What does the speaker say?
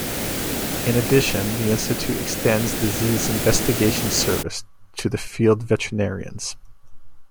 In addition, the Institute extends disease investigation service to the field veterinarians.